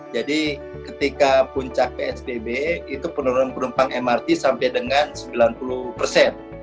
jadi ketika puncak psbb itu penurunan penumpang mrt sampai dengan sembilan puluh persen